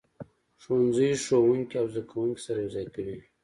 ښوونځی ښوونکي او زده کوونکي سره یو ځای کوي.